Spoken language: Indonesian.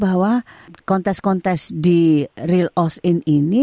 bahwa kontes kontes di real austin ini